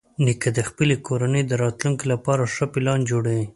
نیکه د خپلې کورنۍ د راتلونکي لپاره ښه پلان جوړوي.